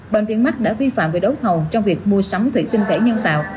bệnh viện mắt đã vi phạm về đấu thầu trong việc mua sắm thủy tinh thể nhân tạo